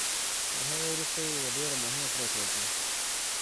تر هغه وروسته يې يوه ډېره مهمه پريکړه وکړه.